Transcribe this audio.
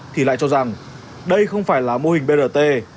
thì lại cho rằng đây không phải là mô hình brt